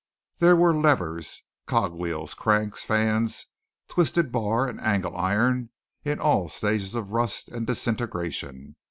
There were levers, cogwheels, cranks, fans, twisted bar, and angle iron, in all stages of rust and disintegration.